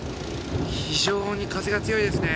非常に風が強いですね。